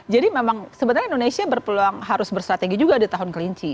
jadi memang sebenarnya indonesia berpeluang harus bersrategi juga di tahun kelinci